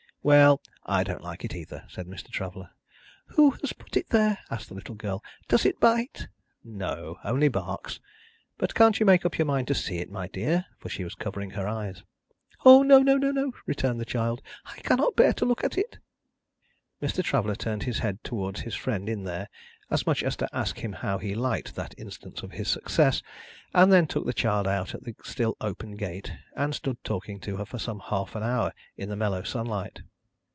"Well! I don't like it either," said Mr. Traveller. "Who has put it there?" asked the little girl. "Does it bite?" "No, only barks. But can't you make up your mind to see it, my dear?" For she was covering her eyes. "O no no no!" returned the child. "I cannot bear to look at it!" Mr. Traveller turned his head towards his friend in there, as much as to ask him how he liked that instance of his success, and then took the child out at the still open gate, and stood talking to her for some half an hour in the mellow sunlight.